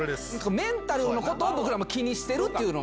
メンタルのことを僕らも気にしてるというのが。